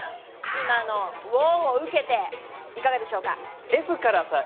今の「うお！」を受けていかがでしょうか？